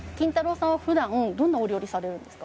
さんはふだんどんなお料理されるんですか？